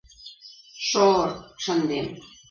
Шор... шындем.